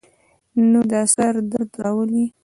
نو دا سر درد راولی